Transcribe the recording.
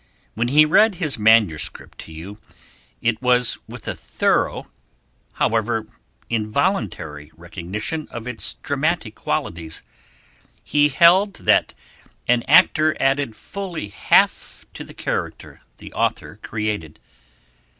When he read his manuscript to you, it was with a thorough, however involuntary, recognition of its dramatic qualities; he held that an actor added fully half to the character the author created.